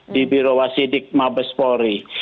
di biro wasidik mabespori